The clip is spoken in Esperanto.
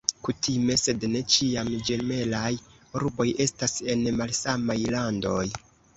Kutime, sed ne ĉiam, ĝemelaj urboj estas en malsamaj landoj.